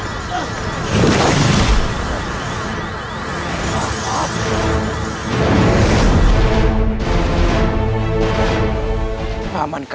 apakah kepenetraan paman dalam kekuatannya